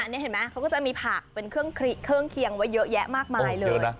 นี่เห็นไหมเขาก็จะมีผักเป็นเครื่องเคียงไว้เยอะแยะมากมายเลย